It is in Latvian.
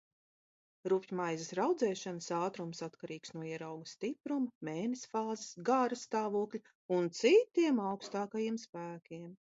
Rupjmaizes raudzēšanas ātrums atkarīgs no ierauga stipruma, mēness fāzes, garastāvokļa un citiem augstākajiem spēkiem.